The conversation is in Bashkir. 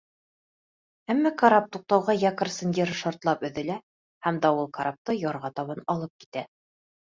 Әммә карап туҡтауға якорь сынйыры шартлап өҙөлә һәм дауыл карапты ярға табан алып китә.